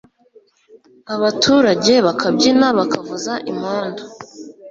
Abaturage bakabyina, bakavuza impundu,